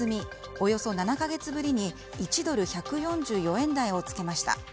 およそ７か月ぶりに１ドル＝１４４円台をつけました。